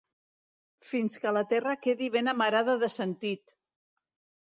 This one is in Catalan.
Fins que la terra quedi ben amarada de sentit!